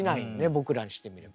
僕らにしてみれば。